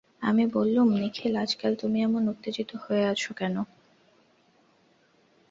আমি বললুম, নিখিল, আজকাল তুমি এমন উত্তেজিত হয়ে আছ কেন?